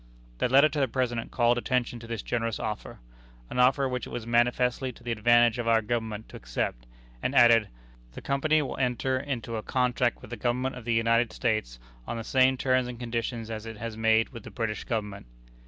The letter to the President called attention to this generous offer an offer which it was manifestly to the advantage of our Government to accept and added: "The Company will enter into a contract with the Government of the United States on the same terms and conditions as it has made with the British Government."